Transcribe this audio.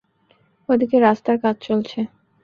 ওদিকে রাস্তার কাজ চলছে।